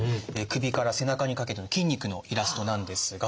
首から背中にかけての筋肉のイラストなんですが。